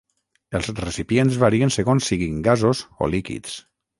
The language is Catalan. Els recipients varien segons siguin gasos o líquids.